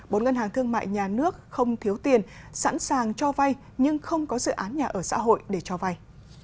bốn ngân hàng thương mại nhà nước không thiếu tiền sẵn sàng cho vay nhưng không có dự án nhà ở xã hội để cho vay